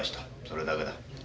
それだけだ。